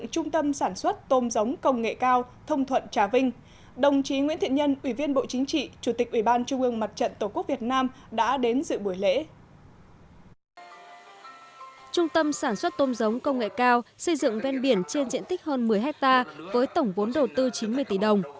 trung tâm sản xuất tôm giống công nghệ cao xây dựng ven biển trên diện tích hơn một mươi hectare với tổng vốn đầu tư chín mươi tỷ đồng